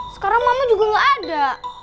sekarang mama juga nggak ada